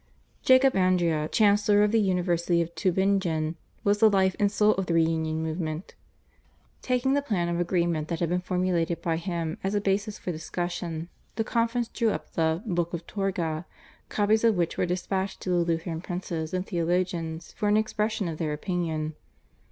Jacob Andrea, chancellor of the University of Tubingen, was the life and soul of the reunion movement. Taking the plan of agreement that had been formulated by him as a basis for discussion the conference drew up the /Book of Torgau/, copies of which were despatched to the Lutheran princes and theologians for an expression of their opinion.